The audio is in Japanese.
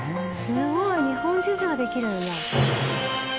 すごい！日本地図ができるんだ。